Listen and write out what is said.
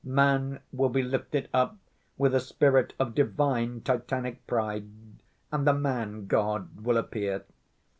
Man will be lifted up with a spirit of divine Titanic pride and the man‐ god will appear.